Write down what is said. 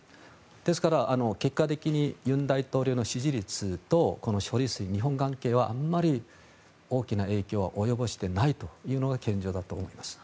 ですから、結果的に尹大統領の支持率と処理水放出はあまり大きな影響を及ぼしていないというのが現状だと思います。